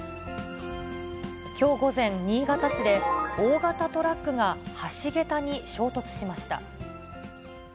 きょう午前、新潟市で大型トラックが橋桁に衝突しました。